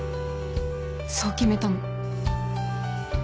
そう決めたの。